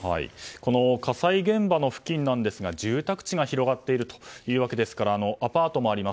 この火災現場の付近なんですが住宅地が広がっているというわけですからアパートもあります。